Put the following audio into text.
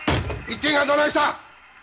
１点がどないした！